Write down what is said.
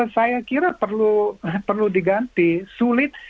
saya kira perlu diganti